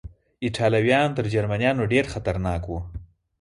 ایټالویان تر جرمنیانو ډېر خطرناک و.